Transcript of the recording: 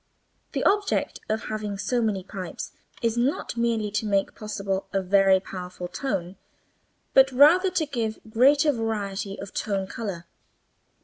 The object of having so many pipes is not merely to make possible a very powerful tone, but, rather, to give greater variety of tone color.